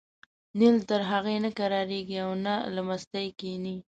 نیل تر هغې نه کرارېږي او نه له مستۍ کېني.